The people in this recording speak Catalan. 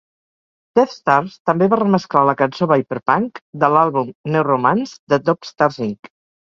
Deathstars també va remesclar la cançó "Vyperpunk" de l'àlbum "Neuromance" de Dope Stars Inc.